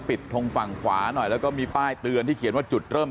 ตรงฝั่งขวาหน่อยแล้วก็มีป้ายเตือนที่เขียนว่าจุดเริ่ม